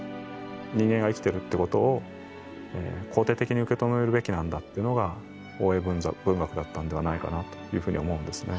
人間が生きてるってことを肯定的に受け止めるべきなんだっていうのが大江文学だったんではないかなというふうに思うんですね。